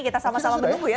kita sama sama menunggu ya